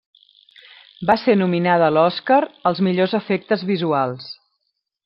Va ser nominada a l'Oscar als millors efectes visuals.